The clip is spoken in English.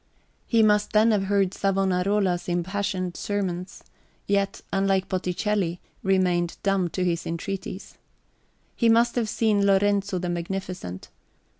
He must then have heard Savonarola's impassioned sermons, yet, unlike Botticelli, remained dumb to his entreaties. He must have seen Lorenzo the Magnificent.